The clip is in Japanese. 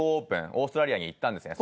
オーストラリアに行ったんですね